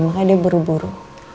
makanya dia buru buru